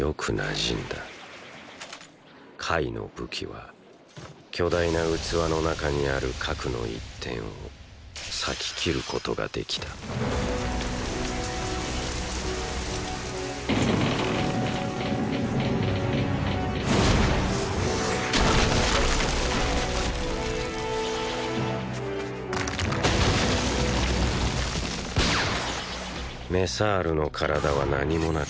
カイの武器は巨大な器の中にある核の一点を裂き斬ることができたメサールの体は何もなかった。